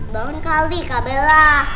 bangun kali kak bella